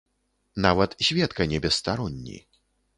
Нават сведка не бесстаронні.